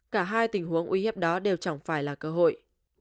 cả hai tình huống uy hiếp đó đều chẳng phải là cơ hội